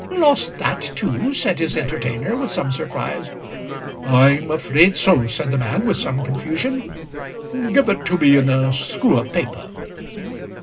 "Lost that too?" said his entertainer, with some surprise. "I am afraid so," said the man, with some confusion "Give it to me in a screw of paper."